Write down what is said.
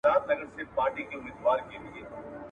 ستا کوڅې یې دي نیولي د رقیب تورو لښکرو ..